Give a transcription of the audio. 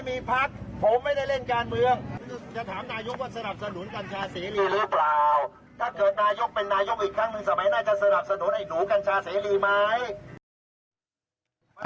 ถ้าเกิดนายกเป็นนายกอีกครั้งหนึ่งสมัยน่าจะสนับสนุนให้หนูกัญชาเสรีไหม